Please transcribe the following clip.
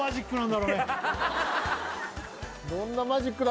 どんなマジックだ